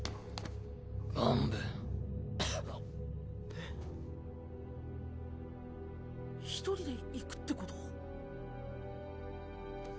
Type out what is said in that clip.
えっ一人で行くってこと？